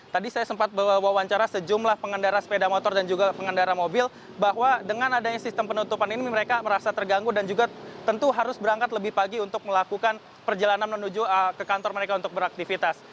tadi saya sempat wawancara sejumlah pengendara sepeda motor dan juga pengendara mobil bahwa dengan adanya sistem penutupan ini mereka merasa terganggu dan juga tentu harus berangkat lebih pagi untuk melakukan perjalanan menuju ke kantor mereka untuk beraktivitas